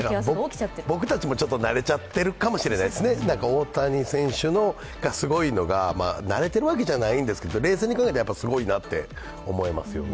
僕たちも慣れちゃっているかもしれないですね、大谷選手がすごいのが慣れてるわけじゃないんですけど、純粋に冷静に考えるとやっぱりすごいなって思いますよね。